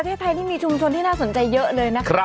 ต้องแชร์เลย